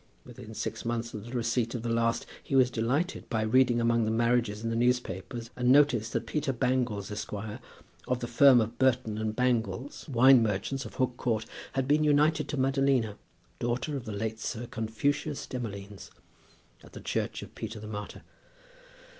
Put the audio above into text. Within six months of the receipt of the last, he was delighted by reading among the marriages in the newspapers a notice that Peter Bangles, Esq., of the firm of Burton and Bangles, wine merchants, of Hook Court, had been united to Madalina, daughter of the late Sir Confucius Demolines, at the church of Peter the Martyr.